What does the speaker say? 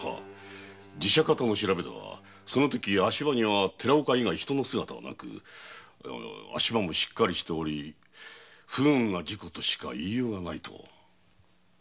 寺社方の調べではそのとき足場には寺岡以外人の姿はなく足場もしっかりしており不運な事故としか言いようがないと。